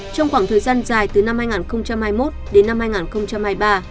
trong khoảng thời gian dài từ năm hai nghìn hai mươi một đến năm hai nghìn hai mươi ba